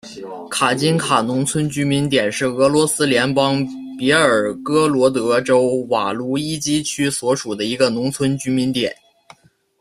卡津卡农村居民点是俄罗斯联邦别尔哥罗德州瓦卢伊基区所属的一个农村居民点。